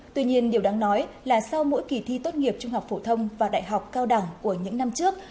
tuy nhiên điều đáng nói là sau mỗi kỳ thi tốt nghiệp trung học phổ thông và đại học cao đẳng của những năm trước